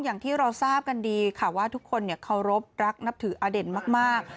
อย่างที่เราทราบกันดีค่ะว่าทุกคนเคารพรักนับถืออเด่นมาก